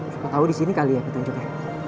suka tau disini kali ya petunjuknya